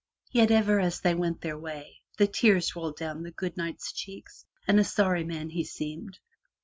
Yet ever as they went their way, the tears rolled down the good Knight's cheeks, and a sorry man he seemed.